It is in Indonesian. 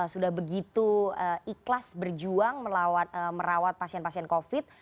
sudah begitu ikhlas berjuang merawat pasien pasien covid